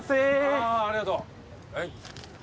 あぁありがとうはい。